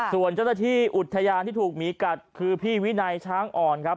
ส่วนเจ้าหน้าที่อุทยานที่ถูกหมีกัดคือพี่วินัยช้างอ่อนครับ